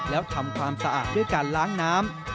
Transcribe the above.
แล้วทำความสะอาดด้วยการล้างน้ำ